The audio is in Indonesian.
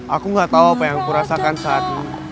aku gak tau apa yang kurasakan saat